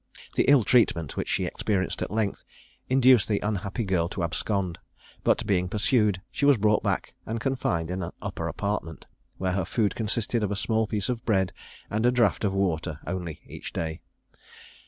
The ill treatment which she experienced at length induced the unhappy girl to abscond; but being pursued, she was brought back and confined in an upper apartment, where her food consisted of a small piece of bread and a draught of water only each day.